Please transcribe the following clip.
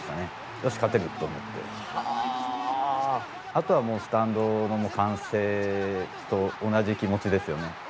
あとはもうスタンドの歓声と同じ気持ちですよね。